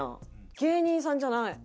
芸人さんじゃない。